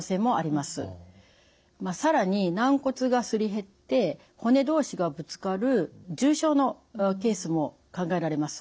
更に軟骨がすり減って骨同士がぶつかる重症のケースも考えられます。